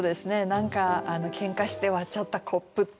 何かけんかして割っちゃったコップとかね